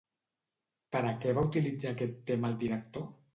Per a què va utilitzar aquest tema el director?